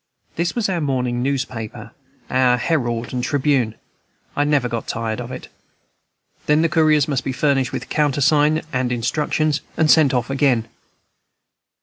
This was our morning newspaper, our Herald and Tribune; I never got tired of it. Then the couriers must be furnished with countersign and instructions, and sent off again.